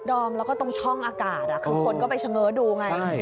อมแล้วก็ตรงช่องอากาศคือคนก็ไปเฉง้อดูไง